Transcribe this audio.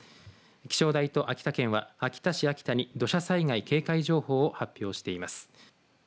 気象台と秋田県は秋田市秋田に土砂災害警戒情報を発表しています。